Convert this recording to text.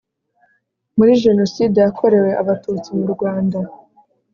muri jenoside yakorewe abatutsi mu rwanda